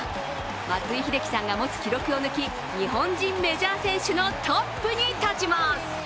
松井秀喜さんが持つ記録を抜き日本人メジャー選手のトップに立ちます。